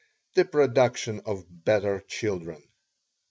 the production of better children.